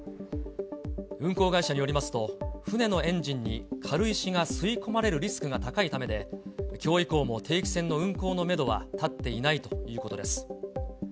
運航会社によりますと、船のエンジンに軽石が吸い込まれるリスクが高いためで、きょう以降も定期船の運航のメドは立っていないということです。